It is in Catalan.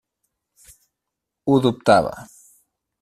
Ho dubtava.